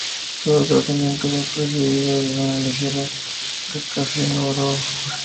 Todo tratamiento va precedido de una ligera desecación u oreo.